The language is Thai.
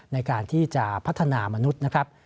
ในการที่จะพัฒนามนุษย์นะครับ